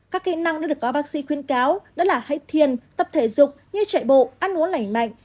các kỹ năng được bác sĩ khuyên cáo là hãy thiền tập thể dục như chạy bộ ăn uống lành mạnh